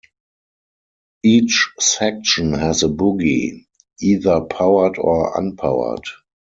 Each section has a bogie, either powered or unpowered.